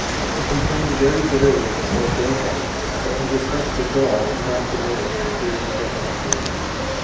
He complains very bitterly of this at a dinner party, but his respect for Goethe has not diminished through this personal experience.